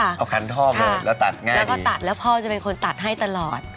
แล้วก็ตัดแล้วพ่อจะเป็นคนตัดให้ตลอด